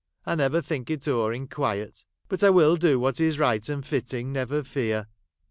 I never think it o'er in quiet. But I will do what is right and fitting, never fear.